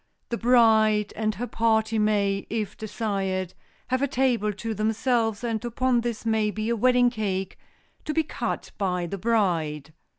The bride and her party may, if desired, have a table to themselves, and upon this may be a wedding cake, to be cut by the bride.